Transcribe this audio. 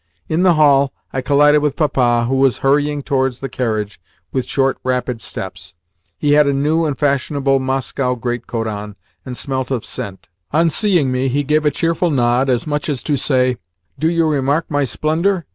In the hall, I collided with Papa, who was hurrying towards the carriage with short, rapid steps. He had a new and fashionable Moscow greatcoat on, and smelt of scent. On seeing me, he gave a cheerful nod, as much as to say, "Do you remark my splendour?"